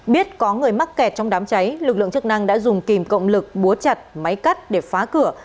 biết có người mắc kẹt trong đám cháy lực lượng chức năng đã dùng kìm cộng lực búa chặt máy cắt để phá cửa